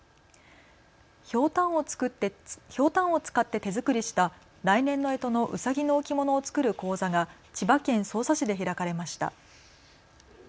ひょうたんを使って手作りした来年のえとのうさぎの置物を作る講座が千葉県匝瑳市で開かれました。